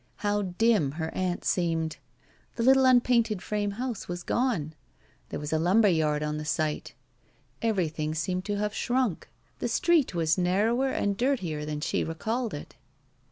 How dim her aunt seemed ! The little unpainted frame house was gone. There was a lumber yard on the site. Everything seemed to have shrunk. The street was narrower and dirtier than she recalled it.